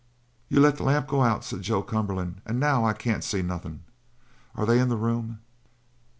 "You let the lamp go out," said Joe Cumberland, "and now I can't see nothing. Are they in the room?"